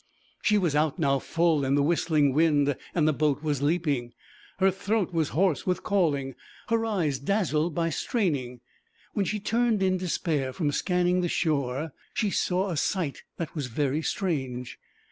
She was out now full in the whistling wind and the boat was leaping. Her throat was hoarse with calling, her eyes dazzled by straining. When she turned in despair from scanning the shore she saw a sight that was very strange.